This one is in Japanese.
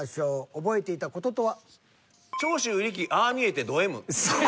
覚えていた事とは？